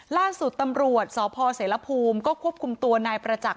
ล่าสุดตำรวจสพเสรภูมิก็ควบคุมตัวนายประจักษ